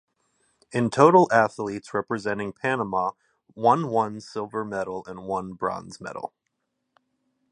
In total athletes representing Panama won one silver medal and one bronze medal.